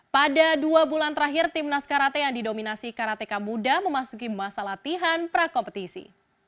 pada dua bulan terakhir tim nas karate yang didominasi karateka muda memasuki masa latihan prakompetisi